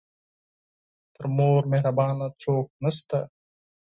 تر مور مهربانه څوک نه شته .